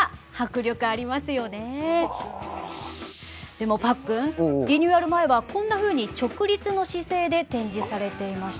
でもパックンリニューアル前はこんなふうに直立の姿勢で展示されていました。